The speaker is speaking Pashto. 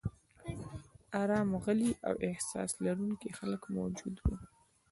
ارام، غلي او احساس لرونکي خلک موجود و.